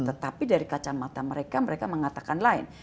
tetapi dari kacamata mereka mereka mengatakan lain